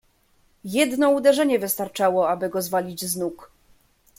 "Jedno uderzenie wystarczało, aby go zwalić z nóg."